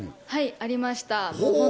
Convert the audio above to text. はい、ありました。